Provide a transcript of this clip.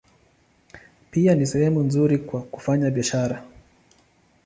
Pia ni sehemu nzuri kwa kufanya biashara.